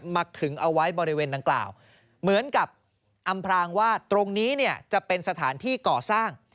ขึงเอาไว้บริเวณดังกล่าวเหมือนกับอำพรางว่าตรงนี้เนี่ยจะเป็นสถานที่ก่อสร้าง